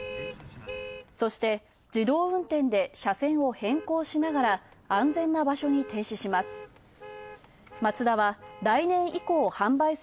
そして自動運転で車線を変更しながら、安全な場所に停止します。